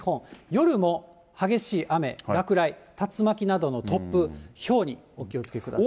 夜も激しい雨、落雷、竜巻などの突風、ひょうにお気をつけください。